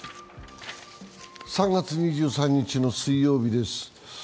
３月２３日の水曜日です。